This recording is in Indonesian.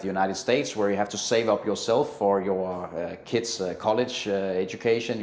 di mana anda harus menyelamatkan diri sendiri untuk pendidikan sekolah anak anak anda